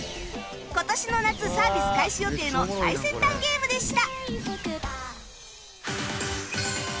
今年の夏サービス開始予定の最先端ゲームでした